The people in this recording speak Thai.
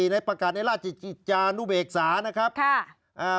ในประกาศในราชกิจจานุเบกษานะครับค่ะอ่า